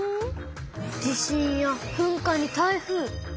地震や噴火に台風。